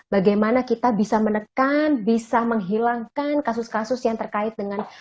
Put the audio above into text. bagaimana kita bisa menekan bisa menghilangkan kasus kasus yang terkait dengan